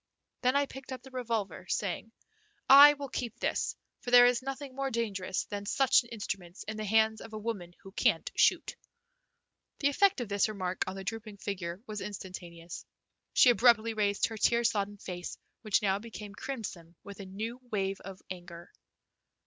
Then I picked up the revolver, saying: "I will keep this, for there is nothing more dangerous than such an instrument in the hands of a woman who can't shoot." The effect of this remark on the drooping figure was instantaneous. She abruptly raised her tear sodden face, which now became crimson with a new wave of anger.